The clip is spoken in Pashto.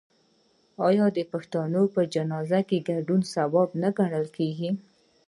آیا د پښتنو په جنازه کې ګډون ثواب نه ګڼل کیږي؟